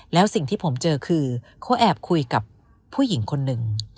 แล้วสิ่งที่ผมเจอคือเขาแอบคุยกับผู้หญิงคนหนึ่ง